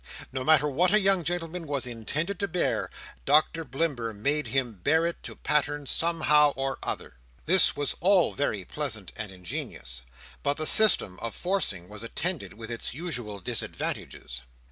No matter what a young gentleman was intended to bear, Doctor Blimber made him bear to pattern, somehow or other. This was all very pleasant and ingenious, but the system of forcing was attended with its usual disadvantages.